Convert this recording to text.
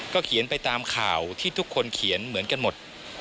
เขียนไปตามข่าวที่ทุกคนเขียนเหมือนกันหมด